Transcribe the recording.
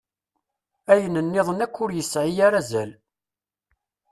Ayen nniḍen akk ur yesɛi ara azal.